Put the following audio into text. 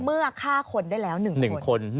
เมื่อฆ่าคนได้แล้ว๑คน